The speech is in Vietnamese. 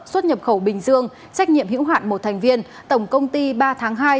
xuất nhập khẩu bình dương trách nhiệm hữu hạn một thành viên tổng công ty ba tháng hai